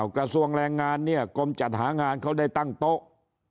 กระทรวงแรงงานเนี่ยกรมจัดหางานเขาได้ตั้งโต๊ะ